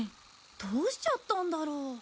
どうしちゃったんだろう？